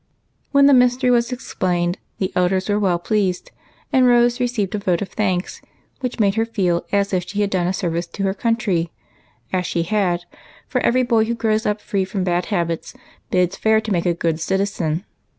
When the mystery was explained, the elders were well pleased, and Rose received a vote of thanks, which made her feel as if she had done a service to her country, as she had, for every boy wlio grows up free from bad habits bids fair to make a good citizen.